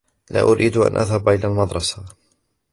لا أريد أن أذهب إلى المدرسة.